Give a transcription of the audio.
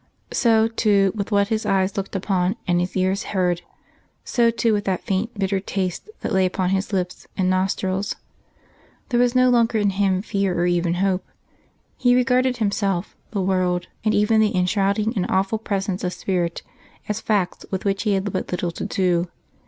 So, too, with what his eyes looked upon and his ears heard; so, too, with that faint bitter taste that lay upon his lips and nostrils. There was no longer in him fear or even hope he regarded himself, the world, and even the enshrouding and awful Presence of spirit as facts with which he had but little to do.